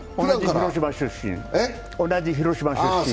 同じ広島出身。